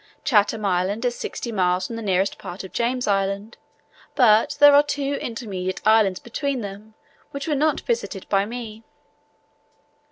Chatham Island is sixty miles from the nearest part of James Island, but there are two intermediate islands between them which were not visited by me.